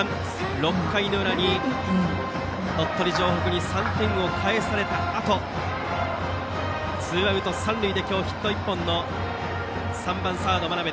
６回の裏に鳥取城北に３点を返されたあとツーアウト、三塁で今日ヒット１本の３番サード、眞邉。